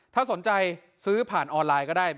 ถ้าสนใจซื้อผ่านออนไลน์ก็ได้